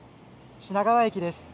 品川駅です。